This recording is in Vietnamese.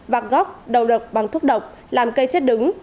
vạc góc đầu độc bằng thuốc độc làm cây chết đứng